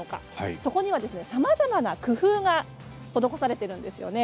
そこにはさまざまな工夫が施されているんですよね。